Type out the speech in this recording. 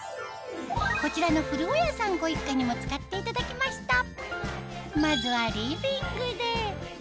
こちらの古尾谷さんご一家にも使っていただきました